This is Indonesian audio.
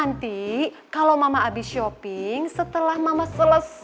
nanti kalau mama abis shopping setelah mama salah pilih internet apa basah anaknya